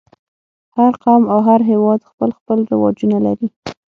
هر قوم او هر هېواد خپل خپل رواجونه لري.